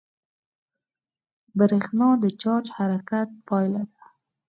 برېښنا د چارج د حرکت پایله ده.